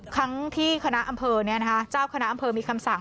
ทั้งที่คณะอำเภอเจ้าคณะอำเภอมีคำสั่ง